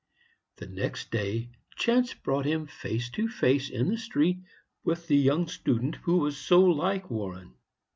The next day chance brought him face to face in the street with the young student who was so like Warren.